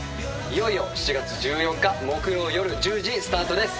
いよいよ７月１４日木曜夜１０時スタートです。